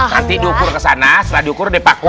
nanti diukur kesana setelah diukur dipaku